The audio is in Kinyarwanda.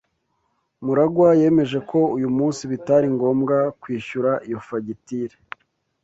MuragwA yemeje ko uyu munsi bitari ngombwa kwishyura iyo fagitire.